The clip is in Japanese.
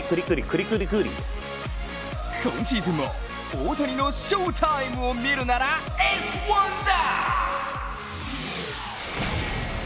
今シーズンも大谷の翔タイムを見るなら「Ｓ☆１」だ！